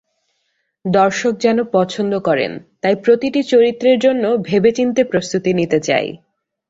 দর্শক যেন পছন্দ করেন, তাই প্রতিটি চরিত্রের জন্য ভেবেচিন্তে প্রস্তুতি নিতে চাই।